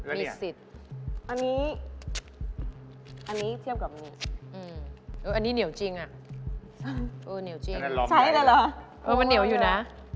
อันนี้เทียบกับอันนี้อันนี้เหนียวจริงอะใช้ได้แล้วเหรอมันเหนียวอยู่นะ